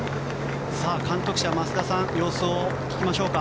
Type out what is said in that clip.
監督車、増田さん様子を聞きましょうか。